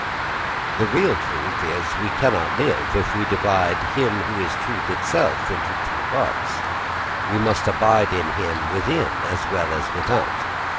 The real truth is, we cannot live if we divide him who is truth itself into two parts. We must abide in him within as well as without.